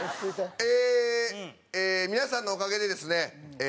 えー、皆さんのおかげでですね